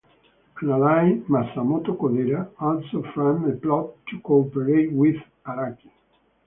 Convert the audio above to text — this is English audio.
An ally, Masamoto Kodera, also framed a plot to cooperate with Araki.